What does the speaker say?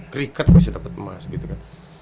cricket juga bisa dapat emas gitu kan